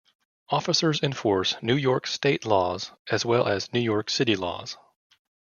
Officers enforce New York State Laws as well as New York City laws.